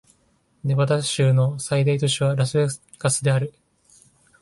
ネバダ州の最大都市はラスベガスである